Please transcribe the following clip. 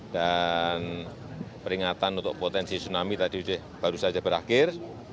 dan peringatan untuk potensi tsunami tadi baru saja berakhir